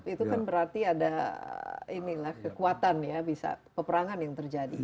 itu kan berarti ada kekuatan ya bisa peperangan yang terjadi